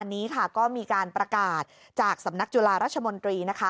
อันนี้ค่ะก็มีการประกาศจากสำนักจุฬาราชมนตรีนะคะ